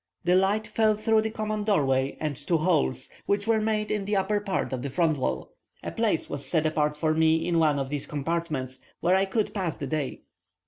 The light fell through the common door way and two holes, which were made in the upper part of the front wall. A place was set apart for me in one of these compartments, where I could pass the day.